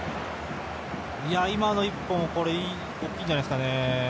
今の１本いいんじゃないですかね。